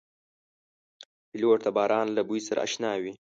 پیلوټ د باران له بوی سره اشنا وي.